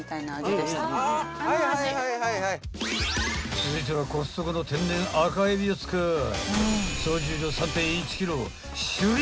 ［続いてはコストコの天然赤海老を使い］